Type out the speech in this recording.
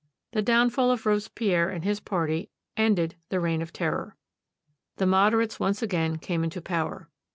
The downfall of Robespierre and his party ended the Reign of Terror. The Moderates once again came into power.